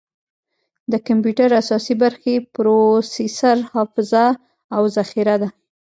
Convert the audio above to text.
د کمپیوټر اساسي برخې پروسیسر، حافظه، او ذخیره ده.